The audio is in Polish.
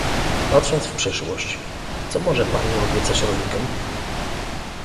Patrząc w przyszłość, co może pani obiecać rolnikom?